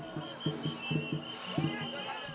tatung juga bisa dikonsumsi